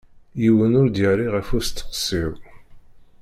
Yiwen ur d-yerri ɣef usteqsi-w.